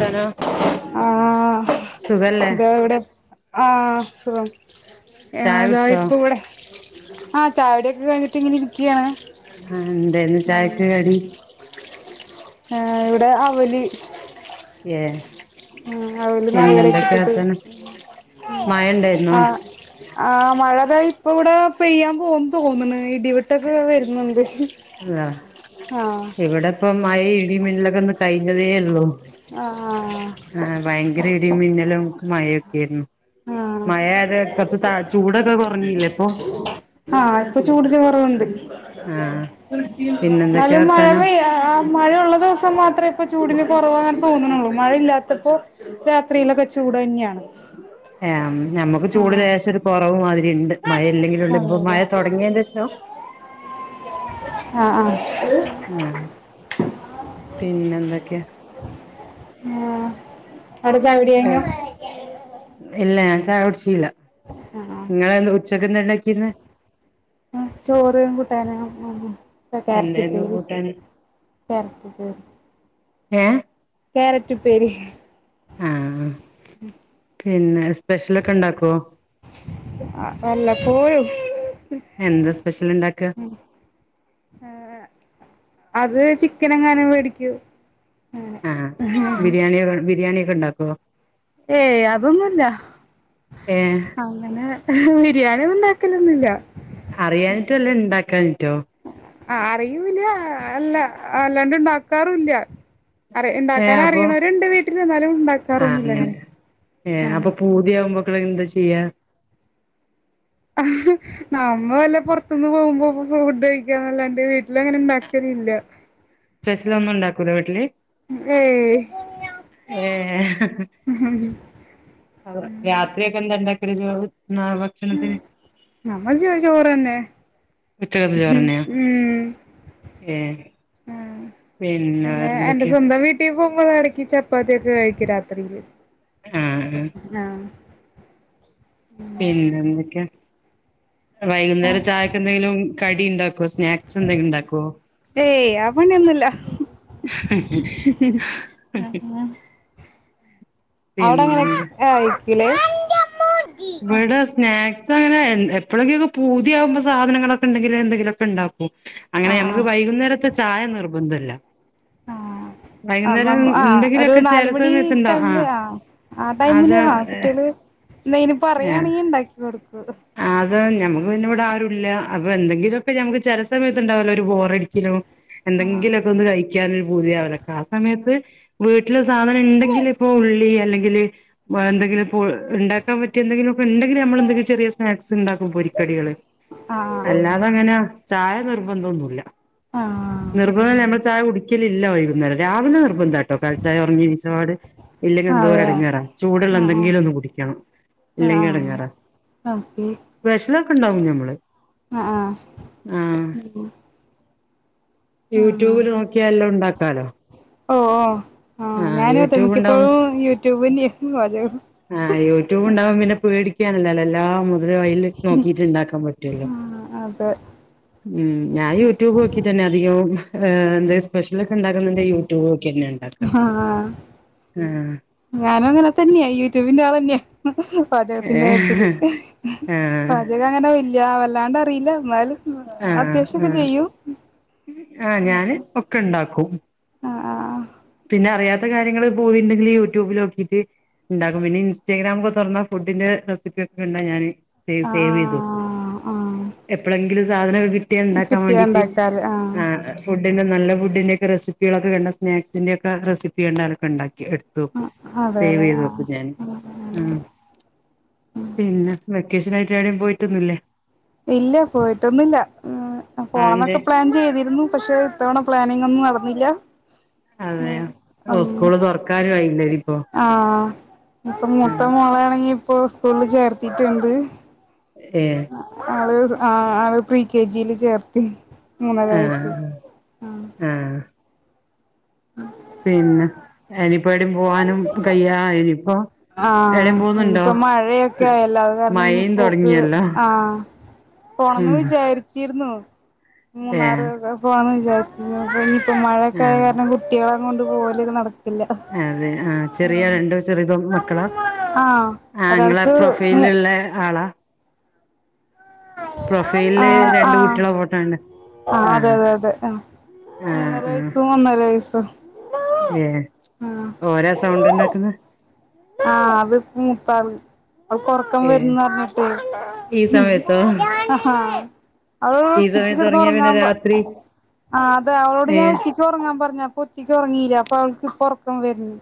ത്തനോ ആഹ സുഖല്ലേ ഇത ഇവിടെ ആഹ സുഖം ചായ അതാ കുടിച്ചോ ഇപ്പ ഇവിടെ ആഹ് ചായോടിയൊക്കെ കഴിഞ്ഞിട്ട് ഇങ്ങനെ ഇരിക്കയാണ് ആ എന്തേനും ചായക്ക്‌ കടി ഇവിടെ അവില് ഏ അവല് പിന്നെ നാളികേരം ഒക്കെ എന്തൊക്കെയാ ഇട്ടിട്ട്. വർത്താനം മഴ ഉണ്ടായിരുന്നോ ആ ആ മഴ കഴിഞ്ഞു- ഈപ്പൊ ഇവിടെ പെയ്യാൻ പോകുന്ന് തോന്നണ [unintelligible] വരുന്നുണ്ട് ആഹ് [unintelligible] ഇവിടെ ഇപ്പം മഴ ഇടീം മിന്നലൊ കഴിഞ്ഞതേയുള്ളു. ആഹ് ആ ഭയങ്കര ഇടി മിന്നലും മഴ [unintelligible] ആയത് കുറച്ച് ത ചൂടൊക്കെ കുറഞ്ഞില്ലേ ഇപ്പൊ ആഹ ആഹ ഇപ്പൊ ചൂടിന് കുറവുണ്ട് ആ പിന്നെ എന്തൊക്കെയാ ന്നാലും വർത്താനം മഴപെയ്യാൻ മഴയ ഉള്ള ദിവസം മാത്രമേ ചൂടിന് കുറവ് തോന്നുന്നുള്ളൂ, മഴയില്ലാത്തപ്പോ രാത്രിയിലൊക്കെ ചൂട് തന്നെയാണ്. ഞമ്മക്ക് ചൂട് ലേശം ഒരു കുറവ് മാതി ഇണ്ട് മഴ ഇല്ലെങ്കിലും ഉള്ള ഇപ്പൊ അതെല്ലേ മഴ തുടങ്ങിയഷോ ആഹ ആഹ ആഹ് പിന്നെ എന്തൊക്കെയാ? ആ അവിടെ ചായോടി കഴിഞ്ഞോ? ചായോടിച്ചീല്ല ആഹ് [unintelligible] ഉച്ചക്കെന്താ ഇണ്ടാക്കിരുന്നേ ചോറും കൂട്ടാന [unintelligible] കാരറ്റ് എന്തായിരുന്നു ഉപ്പേരി. കൂട്ടാന് കാരറ്റ് ഉപ്പേരി ഏ കാരറ്റ് ഉപ്പേരി ആഹ് പിന്നെ [unintelligible] ഉണ്ടാക്കോ [unintelligible] അല്ല [unintelligible] എന്താ സ്പെഷ്യൽ ഇണ്ടാക്ക അത് ചിക്കനെങ്ങാനും മേടിക്കു ആഹ് [unintelligible] ബിരിയാണി ഉണ്ടാക്കോ ഏയ് അതൊന്നുമല്ല ഏ അങ്ങനെ [unintelligible] ബിരിയാണിയ ഉണ്ടാക്കലൊന്നുല്ല അറിയാനിട്ടും അല്ല ഉണ്ടാക്കാൻ [unintelligible] ആ അറിയൂല്ല അല്ല അല്ലാണ്ട് ഉണ്ടാകാറുവില്യ അറി ഏ അപ്പൊ ഇണ്ടാക്കാറിയണവരുണ്ട് വീട്ടില് എന്നാലും ഉണ്ടാക്കാറൊന്നുല്ല അങ്ങനെ ഏ അപ്പൊ ആഹ് [unintelligible] എന്താ ചെയ്യാ [unintelligible] നമ്മ വല്ല പുറത്തുന്ന് പോകുമ്പോ ഫു ഫുഡ് കഴിക്കാന്നല്ലാണ്ട് വീട്ടില് അങ്ങനെ ഇണ്ടാക്കലില്ല സ്പെഷ്യൽ ഒന്നും ഉണ്ടാക്കൂല്ല വീട്ടില് ഏയ് ഏ [unintelligible] രാത്രിയൊക്കെ എന്താണ്ട [unintelligible] [unintelligible] [unintelligible] നമ്മള് [unintelligible] ചോറ് തന്നെ ഉച്ചക്കത്തെ ചോറന്നെയാ [unintelligible] ഉം ഏ ഉം പിന്നെ എന്റെ സ്വന്തം വീട്ടിൽ പോ [unintelligible] നമ്മള് ഇടയ്ക്ക് ചപ്പാത്തിയൊക്കെ കഴിക്കും രാത്രിയില് ആഹ് ആഹ് പിന്നെ എന്തൊക്കെയാ വൈകുന്നേരം ചായക്ക് എന്തെങ്കിലും കടി ഇണ്ടാക്കോ സ്നാക്സ് എന്തെങ്കിലും ഇണ്ടാക്കോ [unintelligible] പണിയൊന്നുല [inaudible] അവിടെ എങ്ങനെ [inaudible] പിന്നെന്താ [unintelligible] ഇവിടെ സ്നാക് അങ്ങനെ എപ്പോഴെക്കെ പൂതിയാവുമ്പോൾ സാധനങ്ങളക്കെണ്ടെങ്കില എന്തെങ്കിലുക്കെ ണ്ടാക്കും അങ്ങനെ നമ്മുക്ക് ആഹ് വൈകുന്നേരത്തെ ചായ നിർബന്ധല്ല ആ വൈകുന്നേരം ആ ഒരു എന്തെങ്കിലുമൊക്കെ ചില നാലുമണി സമയത്ത് ഉണ്ടാവും ടൈമില് ആ ആ അത് ടൈമില് ആ കുട്ടികള് എന്തെങ്കിലും പറയാണെങ്കിൽ ഉണ്ടാക്കി കൊടുക്കും അത നമ്മക്ക് പിന്നെ ഇവിടെ ആരും ഇല്ല അപ്പൊ എന്തങ്കിലുമൊക്കെ നമുക്ക് ചില സമയത്ത് ഉണ്ടാവല്ലോ ബോറടിക്കലോ ആഹ് എന്തെങ്കിലുമൊക്കെ ഒന്ന് കഴിക്കാൻ ഒരു പൂതിയാവൂല്ലേ ആ സമയത്ത് വീട്ടില് സാധനം ഉണ്ടെങ്കില ഇപ്പോ ഉള്ളി അല്ലെ എന്തെങ്കില [unintelligible] ഉണ്ടാക്കാൻ പറ്റിയ എന്തെങ്കിലും ഒക്കെ ഉണ്ടെങ്കിൽ നമ്മൾ എന്തെിലും ചെറിയ സ്നാക്സ് ഉണ്ടാക്കും പൊരി കടികള് ആഹ് അല്ലാതെ അങ്ങനെ ചായ നിർബന്ധന്നുമില്ല ആഹ് നിർബന്ധം നമ്മൾ ചായ കുടി ഒരിക്കലുമില്ല വൈകുന്നേരം രാവിലെ നിർബന്താ കേട്ടോ കഴിച്ച ഉറങ്ങി എഴുന്നേറ്റപാട് ഇല്ലെങ്കിൽ എന്തോ ഒരു അതെ ഇടങ്ങേറാ ചൂടുള്ള എന്തെങ്കിലും ഒന്ന് കുടിക്കണം ഇല്ലെങ്കിൽ ആഹ ഓക്കെ ഇതൊക്ക ഉണ്ടാവുംഞമ്മള് ആ ആ യൂട്യൂബില് നോക്കിയാ എല്ലാം ഉണ്ടാക്കാലോ ഓ ഓ ആ ആഹ് ഞാനും അതേ യൂട്യൂബ് ഉണ്ടാവും മിക്കപ്പോഴും യൂട്യൂബ് ന്നായായിരിക്കും പാചകം ആഹ് യൂട്യൂബ് ഉണ്ടാവും പിന്നെ പേടി [unintelligible] എല്ലാം അതില് നോക്കിട്ട് ഉണ്ടാക്കാൻ പറ്റൂല്ലോ ആഹ് അതെ ഞാൻ യൂട്യൂബ് നോക്കി തന്നെ അധികോം ഏ എന്തെങ്കിലും സ്പെഷ്യൽ ഒക്കെ ഉണ്ടാക്കുന്നുണ്ടെങ്കി യൂട്യൂബ് നോക്കിന്നെയാണ് ആ ഞാനും അങ്ങനെ തന്നെയാ ഇതിൻ്റെ ആള് തന്നെയാ പാചകത്തിന്റെ കാര്യത്തില് ഏഹ് ആഹ് പാചകം അങ്ങനെ വല്യ യാ ല്ലാണ്ട് അറിയില്ല എന്നാലും അത്യാവശ്യ ഒക്കെ ചെയ്യും ആ ഞാന് ഒക്കെ ഉണ്ടാകും ഉം ആ ആ പിന്നെ അറിയാത്ത കാര്യങ്ങള് പോയിട്ടുണ്ടെങ്കില് യൂട്യൂബിൽ നോക്കിട്ട് ഉണ്ടാക്കും പിന്നെ ഇൻസ്റ്റാഗ്രാമ് ഒക്കെ തുറന്ന ഫുഡിന്റെ റെസിപ്പി ഒക്കെ ഉണ്ടാ ഞാന് വ ആ സേവ് ചെയ്ത് വെയ്ക്കും ആ ആ എപ്പോഴെങ്കിലും സാധനോക്കെ കി കിട്ടിയ ഇണ്ടാക്കാൻ കിട്ടിയ വേണ്ടിട്ട് ഉണ്ടാക്കാറ് ആ ഏഹ് ഫുഡ് [unintelligible] നല്ല ഫുഡിന്റെയോക്കെ റെസിപ്പികളോക്കെ കണ്ട സ്നാക്സ് ഇതിന്റെ ഒക്കെ റെസിപ്പി കണ്ടാലൊക്കെ ഉണ്ടാക്കി എടുത്ത് വെക്കും അതെ സേവ് അതെ ചെയ്ത് ആ വെക്കും ഞൻ ഹും പിന്നെ [unintelligible] ക്കേഷനായിട്ട് എവിടെയും പോയിട്ടൊന്നില്ലേ ഇല്ല പോയിട്ടോന്നൂല്ല ആഹ് അതിന്റെ പോണന്നൊക്കെ പ്ലാൻ ചെയ്തിരുന്നു പക്ഷെ ഇത്തവണ പ്ലാനിങ്ങോന്നും നടന്നില്ല. ഉം അതെയോ അം ഓഹ് സ്കൂള് തുറക്കാനും ആയില്ലേ ഇനിയിപ്പോ ആഹ് ഇപ്പൊ മൂത്ത ആഹ് മോളാണെങ്കി ഇപ്പൊ സ്കൂൾ ചേർത്തിട്ട്ണ്ട് ഏഹ് ആള് [unintelligible] ആ അഹ് പ്രീ കെ ജി യില് ചേർത്തി മൂന്നര വയസ്സ്. ആഹ് ആഹ് പിന്നെ അയിന് എപ്പോഴും പോവാനും [unintelligible] ഇനിപ്പോ ആഹ് ഇനിയിപ്പോ മഴയൊക്കെ ആയല്ലോ അത് കാരണം ഇനി മഴയും പോക്ക് തൊടങ്ങിയല്ലോ ആഹ് പോണന്ന് ഉം വിചാരിച്ചി തീർന്നോ മൂന്നാറ് ഏഹ് ഒക്കെ പോവാന്ന് വി [unintelligible] മഴയൊക്കെ ആയ ആഹ് കാരണം കുട്ടികൾ ണ്ട് [unintelligible] പോലൊക്കെ നട അതെ ആ ചെറിയ രണ്ട് ചെറുതോ മക് ആഹ് ആഹ് ഇങ്ങളെ ഒരാൾക്ക് പ്രൊഫൈൽ മു ഇള്ള ആളാ പ്രൊഫൈൽ ആഹ് രണ്ട് ആഹ് കുട്ടികൾ ഫോട്ടോ കണ്ട് ആഹ് അതെ അതെ അതെ ആഹ് മൂന്നര വയസ്സും ഒന്നര വയസ്സും ആഹ് ഓരാ സൗണ്ട് ഇണ്ടാക്കുന്നെ? ആഹ് അത് മൂത്ത ആള്. അവൾക്ക് ഉറക്കം ഏ വര്ന്ന് പറഞ്ഞിട്ടെ. ഈ സമയത്തോ ആഹ് അവളോട് ഈ ഉച്ചക്ക് സമയത്ത് കിടന്ന് ഉറങ്ങിയാ പിന്നെ ഉറങ്ങാൻ പ രാത്രി ആ അതെ അവളോട് ഏ ഞാൻ ഉച്ചക്ക് ഉറങ്ങാൻ പറഞ്ഞ അപ്പൊ ഉച്ചക്ക് ഉറങ്ങീല്ല അപ്പൊ അവൾ ഇപ്പൊ ഒറക്കം വരന്ന്.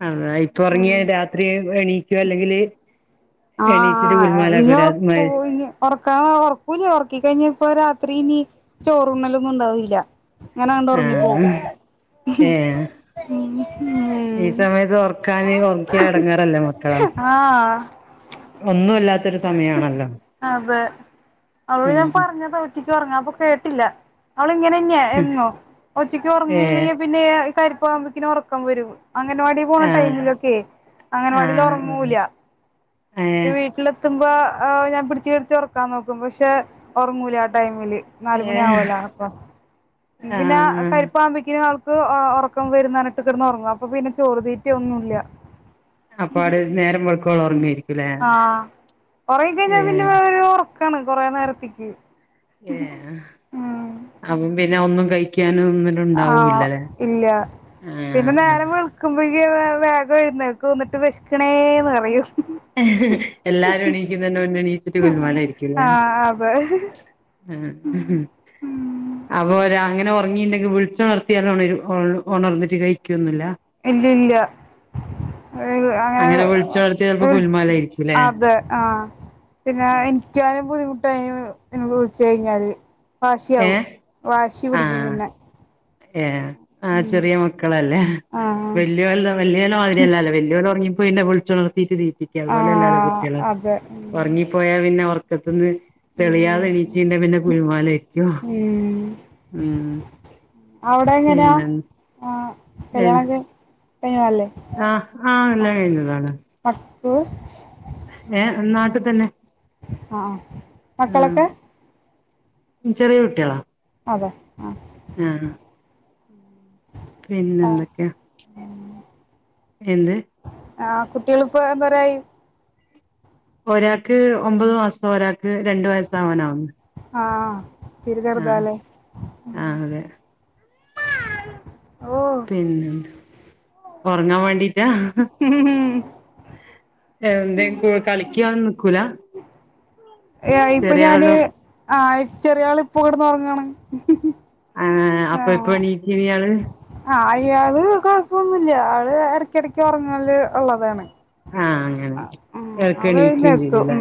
[unintelligible] ഇപ്പൊ ഉറങ്ങിയ രാത്രി എണീക് എണീക്കോ അല്ലെങ്കിൽ ആഹ ഇനി ഉറക്കൂ ഇനി ഉറക്കാ ഉറക്കൂല്ല ഉറക്കിക്കഴഞ് ഇപ്പൊ രാത്രി ഇനി ചോറുണ്ണലൊന്നുംണ്ടാവില്ല ആഹ ഏ ഈ ഉം സമയത്ത് ഉറക്കാന് ഉറക്കിയാ എടങ്ങാറല്ലേ മക്കളെ ആഹ് ഒന്നൂ അതെ അവളോട് ഞാൻ ഉം പറഞ്ഞതാ ഉച്ചക്ക് ഒറങ്ങ അപ്പൊ കേട്ടില്ല അവള ഇങ്ങനെന്നെയാ എന്നും ഉച്ചക്ക് ഏ ഉറങ്ങീല്ലെങ്കി പിന്നെ ക വുമ്പോക്കിന് ഒറക്കം വരും അങ്ങനവാടി പോണ ആഹ് ടൈമിലൊക്കെ അങ്ങനവാടില് ആഹ് ഒറങ്ങൂല ആഹ് ന്റെ ഏഹ് വീട്ടില് ത്തുമ്പോ ഞാൻ പിടിച്ചുനിർത്തി ഉറക്കാൻ നോക്കും പക്ഷെ ഉറങ്ങൂല ആ ടൈമില് നാലുമണി ഏഹ് ആവുമലോ അപ്പ പിന്നെ ആഹ് [unintelligible] ആൾ അ ഉറക്കം വരുമ്ന്ന് പറഞ്ഞിട്ട് കിടന്ന് ഉറങ്ങും അപ്പൊ പിന്നെ ചോറുതീറ്റ ഒന്നുംല്ല അപ്പാ അവ്ടെയിരുന്നു നേരം വെളുക്കോളാം ഉറങ്ങായിരുക്കുംലെ ആ ഒറങ്ങിക്കഴിഞ്ഞാ പിന്നെ ഒരു ക്കാണ് കൊറെ നേരത്തിക്ക് ഏഹ് അമ്പി ന്ന ഒന്നും കഴിക്കാനും ഒന്നിനും ആ ഉണ്ടാവൂല്ലല്ലേ ഇല്ല പിന്നെ ആഹ് നേരം ആഹ് വെളുക്കുമ്പെഴക്ക് വേഗം എഴുന്നേക്കും ന്നിട്ട് വെശക്കണേന്ന് പറയും എല്ലാരും എണീക്കുന്നെന്റെ മുന്നേ എണീച്ചിട്ട് ഗുൽമലായിരിക്കുലെ ആഹ് അതെ ഏഹ് അപ്പൊ അങ്ങനെ ഒറങ്ങിണ്ടെങ്കി വിളിച്ചു ഉണർത്തിയാലും ഒണരു ഒ ഒണർന്നിട്ട് കഴിക്കൊന്നുല്ല ഇല്ല ഇല്ല ഏഹ് അങ്ങനെ വിളിച്ചൊണർത്തിയാ ചെലപ്പോ എ [unintelligible] ഗുലുമാലായിരിക്കുംല്ലേ അതെ ആ പിന്നെ എനിക്കാരേം ബുദ്ധിമുട്ട് ടൈമ് വിളിച്ച് കഴിഞ്ഞാല് വാശിയാവും ഏഹ് വാശി പിടിക്കും പിന്നെ ഏ ആ ഉം ചെറിയ മക്കളല്ലേ ആഹ് വലിയവളെ വലിയവൾ മാതിരിയല്ലല്ലേ വലിയവൾ ഉറങ്ങി പിന്നെ വിളിച്ചുണർത്തീട്ട് ക്ക് അതുപോലല്ലാലോ ആഹ് കുട്ടികള് അതെ ഉം ഒറങ്ങിപ്പോയാ പിന്നെ ഒറ റക്കത്തുന്ന് ഉം തെളിയാതെ എണീച്ചീണ്ടെ പിന്നെ ഗുല്മാലായിരിക്കും ഉം ഉം അവിടെ എങ്ങനാ പിന്നെ ആ ഏഹ് [unintelligible] ആഹ് ആഹ് എല്ലാം കഴിഞ്ഞതാണ് [unintelligible] ഏ നാട്ടിൽ തന്നെ ആഹ് മക്കളൊക്കെ ആഹ് ചെറിയ കുട്ടികളാ അതെ ആ ആഹ് [unintelligible] ആ പിന്നെന്തൊക്കെയാ എന്ത് ആ കുട്ടികളിപ്പൊ എന്തൊരു ആയി ഒരാക്ക് ഒമ്പത് മാസം ഒരാൾക്ക് രണ്ടു വയസ് ആവാനാവുന്നു ആ തീരെ ആഹ് ചെറുതാല്ലേ ആ അതെ ഓ പിന്നെ ഉറങ്ങാൻ വേണ്ടീട്ടാ ഉം [unintelligible] കളിക്കാന്നും നിക്കൂല ഇപ്പൊ ഞാന് ചെറിയാളും ആ ചെറിയ ആള് ഇപ്പോ കിടന്ന് ഉറങ്ങാണ് ആ അപ്പൊഴെക്കും എണീക്കും ഇയാള് അത് കുഴപ്പൊന്നുല്യാ ആള് ഇടക്കിടക്ക് ഉറങ്ങല് ഒള്ളതാണ് ആഹ് അങ്ങനെ ഇടക്ക് [unintelligible] എണീക്കും എത്തും ചെയ്യൂല്ലേ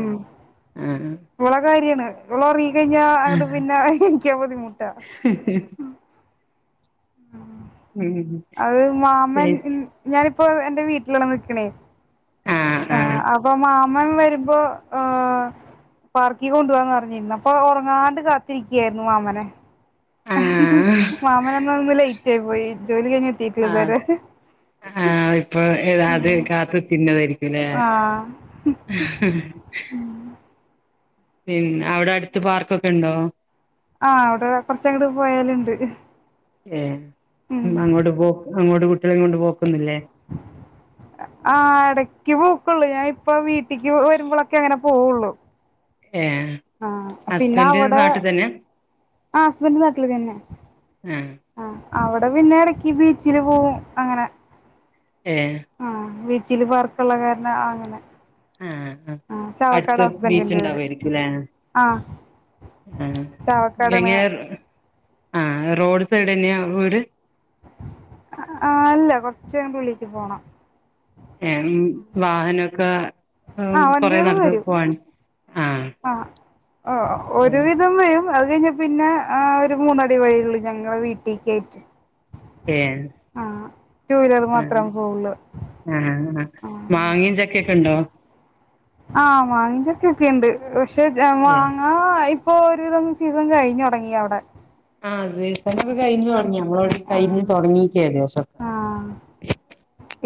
ആഹ് വിള കാര്യാണ് [unintelligible] [unintelligible] അങ്ങട് പിന്നെ എണീക്കാൻ ബുദ്ധിമുട്ടാ ഉം അത് മാമൻ ഞാൻ ഇപ്പൊ എന്റെ വീട്ടിലാണ് നിക്കണേ ആഹ് അപ്പൊ മാമൻ വരുമ്പോ പാർക്കി കൊണ്ട് പോവാന്ന് പറഞ്ഞിരുന്നു അപ്പൊ ഉറങ്ങാണ്ട് കാത്തിരിക്കയായിരുന്നു മാമനെ ആഹ് മാമനന്ന [unintelligible] [unintelligible] ആഹ് ആ ഇപ്പൊ ഏതാത് കാത്തു തിന്നതാരിക്കും പിന്നെ ആഹ് പിന്ന അവിടെ അടുത്ത് പാർക്കൊക്കെ ഉണ്ടോ ആ അവിടെ കൊറച്ച അങ്ങോട്ട് പോയാലുണ്ട് ഏ ഉം അങ്ങോട്ട് പോ അങ്ങോട്ട് [unintelligible] കൊണ്ട് പോ ആഹ് ഇടക്ക് പൂക്കുള്ളു ഞാൻ ഇപ്പ വീട്ടിക്ക് വരുമ്പോളൊക്കെ അങ്ങനെ പോവുള്ളു ഏഹ് ആ പിന്നെ ഹസ്ബൻഡ് അവിടെ നാട്ടിൽ തന്നെ ആ ഹസ്ബൻഡ് നാട്ടിൽ തന്നെ ആഹ് ആ അവിടെ പിന്നെ ഇടക്ക് ബീച്ചില് പോവും അങ്ങനെ ഏ ചില പാർക്കുള്ള കാരന അങ്ങനെ ആഹ ആ ആഹ് ചാവക്കാട് അടുത്ത ഹസ്ബൻഡിന്റെ വീട് ബീച്ച്ണ്ടാവമായിരിക്കുംല്ലേ ആഹ് ആ ചാവക്കാടാണ് ഗങ്ങർ ആ റോഡ് സൈഡ് തന്നെയ വീട് ആ് അല്ല കൊറച്ചഗിട് ഉള്ളിക്ക് പോണം ഉം വാഹനൊക്കെ ആ ആഹ് കൊറേ വണ്ടികള് നടന്ന്‌ വരും പോവാ ആ ഏഹ് ഒരുവിധം വരും അത് കഴിഞ്ഞ പിന്നെ ആ ഒരു മൂന്നടി വഴിയള്ളൂ ഞങ്ങളടെ വീട്ടിക്കെ ട്ട് ഏ വീലർ ആ മാത്രം പോവുള്ളൂ ആഹ മാങ്ങ ചക്കൊക്കെ ഉണ്ടോ ആ മാങ്ങയും ചക്കയും ഒക്കെ ഉണ്ട് ഇഷ് പക്ഷേ ഏഹ് മാങ്ങ- ഇപ്പൊ ഒരുവിധം സീസൺ കഴിഞ്ഞ തുടങ്ങിയ അവിടെ [unintelligible] കഴിഞ്ഞ് ആഹ് തുടങ്ങിയേക്കുവാണ് ആഹ് [unintelligible]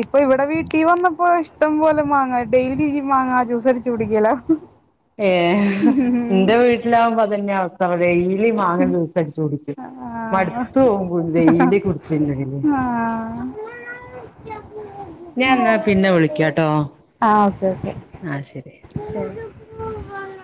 ഇപ്പൊ ഇവിടെ വീട്ടിൽ വന്ന ഇപ്പൊ ഇഷ്ടം പോലെ മാങ്ങ ഡെയിലി ഈ മാങ്ങാ ജ്യൂസ് അടിച്ചു കുടിക്കല എന്റെ വീട്ടിൽ ആവുമ്പോൾ അത് തന്നെയാ അവസ്ഥ. എന്താ പറയുക ഡെയിലി മാങ്ങ അടിച്ചു കുടിക്കു. ആഹ് മടുത്തു പോകും, ഡെയിലി കുടിച്ചിട്ടുണ്ടെങ്കിൽ ആഹ് ആഹ് ഞാൻ എന്നാ പിന്നെ വിളിക്കട്ടോ ഓക്കെ ഓക്കെ ആ ശരി ശരി